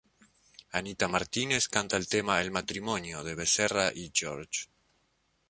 Anita Martínez canta el tema "El matrimonio" de Becerra y George.